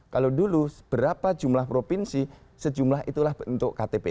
kalau dulu berapa jumlah provinsi sejumlah itulah bentuk ktp